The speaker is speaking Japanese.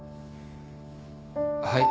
はい。